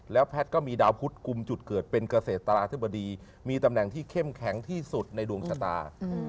แล้วแพทย์ก็มีดาวพุทธกลุ่มจุดเกิดเป็นเกษตราธิบดีมีตำแหน่งที่เข้มแข็งที่สุดในดวงชะตา